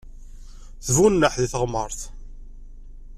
Tebbuneḥ di teɣmert.